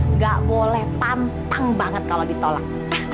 nggak boleh pantang banget kalau ditolak